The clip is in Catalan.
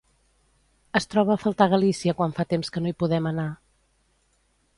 Es troba a faltar Galícia quan fa temps que no hi podem anar.